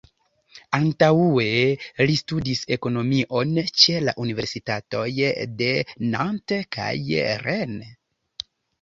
Antaŭe li studis ekonomion ĉe la universitatoj de Nantes kaj Rennes.